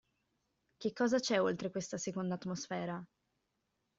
Che cosa c'è oltre questa seconda atmosfera?